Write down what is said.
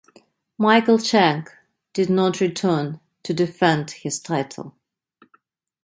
Michael Chang did not return to defend his title.